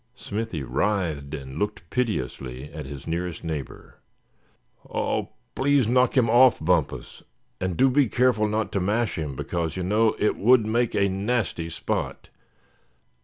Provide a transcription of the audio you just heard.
Smithy writhed, and looked piteously at his nearest neighbor. "Oh! please knock him off, Bumpus; and do be careful not to mash him, because you know, it would make a nasty spot.